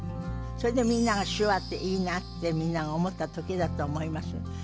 それでみんなが手話っていいなってみんなが思った時だと思います。